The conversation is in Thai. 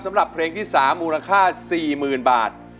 สำหรับเพลงที่๓มูลค่า๔๐๐๐บาท